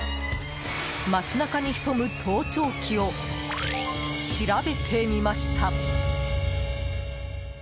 街中に潜む盗聴器を調べてみました。